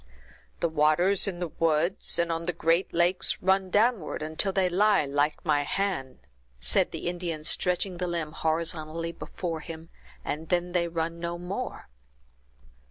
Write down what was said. "The waters in the woods, and on the great lakes, run downward until they lie like my hand," said the Indian, stretching the limb horizontally before him, "and then they run no more."